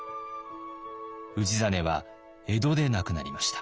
氏真は江戸で亡くなりました。